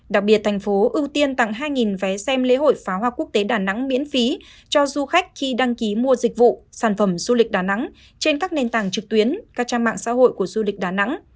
đặc biệt thành phố ưu tiên tặng hai vé xem lễ hội pháo hoa quốc tế đà nẵng miễn phí cho du khách khi đăng ký mua dịch vụ sản phẩm du lịch đà nẵng trên các nền tảng trực tuyến các trang mạng xã hội của du lịch đà nẵng